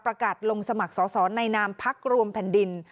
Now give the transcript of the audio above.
ประกาศลงสมัครสอสอในนามพักรวมแผ่นดิน